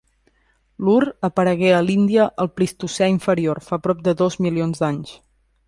L'ur aparegué a l'Índia al Plistocè inferior, fa prop de dos milions d'anys.